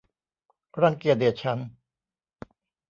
รังเกียจเดียดฉันท์